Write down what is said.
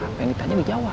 apa yang ditanya dijawab